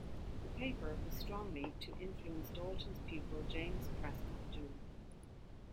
The paper was strongly to influence Dalton's pupil James Prescott Joule.